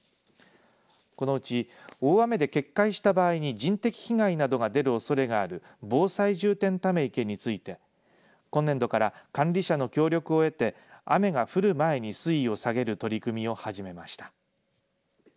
このうち大雨で決壊した場合に人的被害などが出るおそれがある防災重点ため池について今年度から管理者の協力を得て雨が降る前に水位を下げる取り組みを始めました。